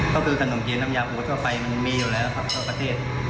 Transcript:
ก็คือกันนมเกียร์น้ำยาปูเท่าไหร่มันมีอยู่แล้วครับทั่วประเทศ